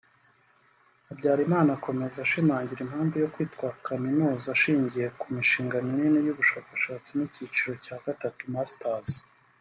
Habyarimana akomeza ashimangira impamvu yo kwitwa Kaminuza ashingiye ku mishinga minini y’ubushakashatsi n’icyiciro cya gatatu (Masters)